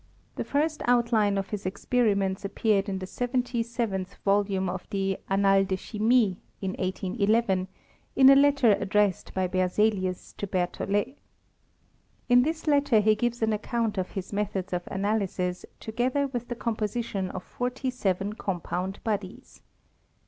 The first outline of his experiments appeared in the 77th volume of the Annates de Chimie, in 1811, in a letter addressed by Berzelius to Bertholiet. In this letter he gives an account of his methods of analyses together with the composition of forty seven com pound bodies.